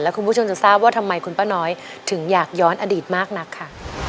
คุณผู้ชมจะทราบว่าทำไมคุณป้าน้อยถึงอยากย้อนอดีตมากนักค่ะ